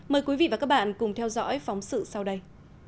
mời quý vị và các bạn cùng theo dõi phóng sự sau đây